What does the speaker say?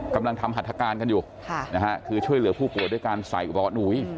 กำลังทำหัตถการกันอยู่ช่วยเหลือผู้โกรธด้วยการใส่ร้อน